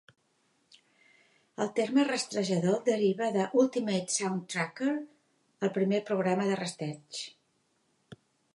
El terme rastrejador deriva de "Ultimate Soundtracker": el primer programa de rastreig.